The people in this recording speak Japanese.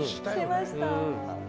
してました。